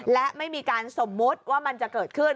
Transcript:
และไม่มีการสมมุติว่ามันจะเกิดขึ้น